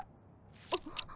あっ。